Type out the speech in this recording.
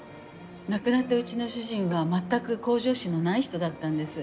亡くなったうちの主人は全く向上心のない人だったんです。